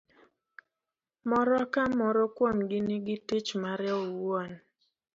ka moro ka moro kuomgi nigi tich mare owuon.